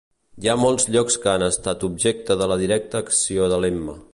Hi ha molts llocs que han estat objecte de la directa acció de l'Emma.